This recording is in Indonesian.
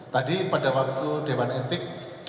tadi pada waktu dewan etik